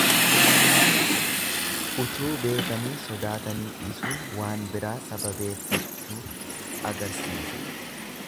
Utuu beekanii sodaatanii dhiisuun waan biraa sababeeffachuu agarsiisa.